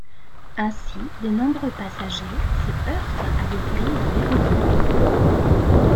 Ainsi, de nombreux passagers se heurtent à des grilles verrouillées.